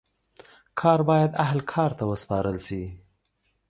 کار باید اهل کار ته وسپارل سي.